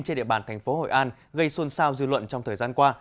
trên địa bàn tp hội an gây xuân sao dư luận trong thời gian qua